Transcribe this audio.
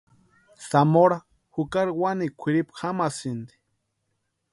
Zamora jukari wanikwa kwʼiripu jamasïnti.